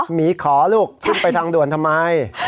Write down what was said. หมีขอลูกขึ้นไปทางด่วนทำไม